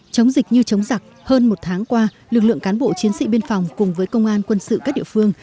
chống dịch như chống giặc hơn một tháng qua lực lượng cán bộ chiến sĩ biên phòng cùng với công an quân sự các địa phương